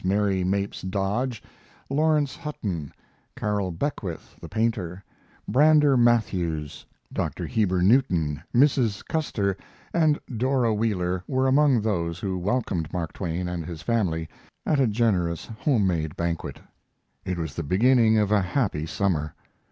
Mary Mapes Dodge, Laurence Hutton, Carroll Beckwith, the painter; Brander Matthews, Dr. Heber Newton, Mrs. Custer, and Dora Wheeler were among those who welcomed Mark Twain and his family at a generous home made banquet. It was the beginning of a happy summer.